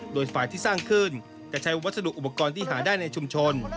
โดยฝ่ายที่สร้างขึ้นจะใช้วัสดุอุปกรณ์ที่หาได้ในชุมชน